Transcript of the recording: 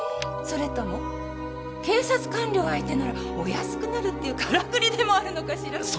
それとも警察官僚相手ならお安くなるっていうからくりでもあるのかしら？